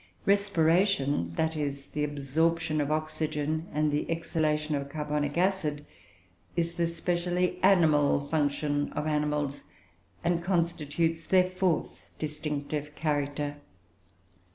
Respiration that is, the absorption of oxygen and the exhalation of carbonic acid is the specially animal function of animals, and constitutes their fourth distinctive character.